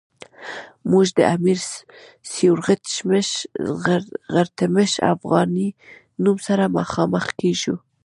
موږ د امیر سیورغتمش افغانی نوم سره مخامخ کیږو.